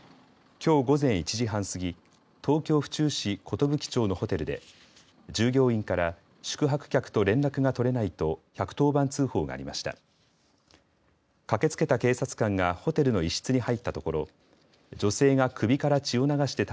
きょう午前１時半過ぎ東京府中市寿町のホテルで従業員から宿泊客と連絡が取れないと１１０番通報がありました。